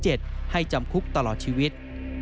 ให้จำคุกตลอดชีวิต